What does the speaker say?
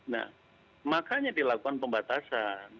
nah makanya dilakukan pembatasan